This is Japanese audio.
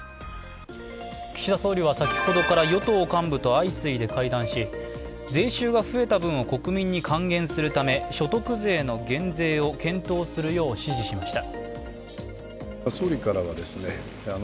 岸田総理は先ほどから与党幹部と相次いで会談し税収が増えた分を国民に還元するため所得税の減税を検討するよう指示しました。